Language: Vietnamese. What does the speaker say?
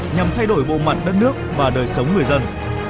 nhằm thay đổi bộ mặt đất nước và đời sống người dân